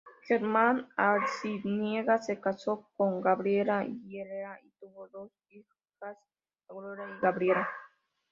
Germán Arciniegas se casó con Gabriela Vieira y tuvo dos hijas: Aurora y Gabriela.